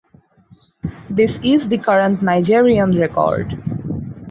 This is the current Nigerian record.